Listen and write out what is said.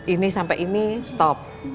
ini sampai ini stop